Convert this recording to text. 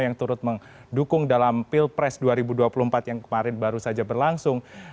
yang turut mendukung dalam pilpres dua ribu dua puluh empat yang kemarin baru saja berlangsung